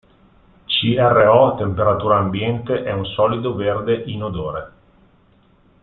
CrO a temperatura ambiente è un solido verde inodore.